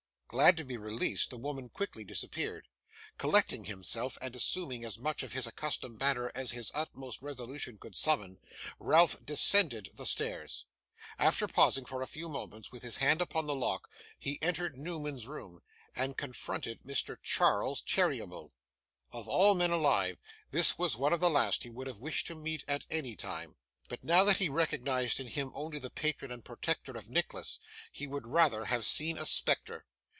Glad to be released, the woman quickly disappeared. Collecting himself, and assuming as much of his accustomed manner as his utmost resolution could summon, Ralph descended the stairs. After pausing for a few moments, with his hand upon the lock, he entered Newman's room, and confronted Mr. Charles Cheeryble. Of all men alive, this was one of the last he would have wished to meet at any time; but, now that he recognised in him only the patron and protector of Nicholas, he would rather have seen a spectre.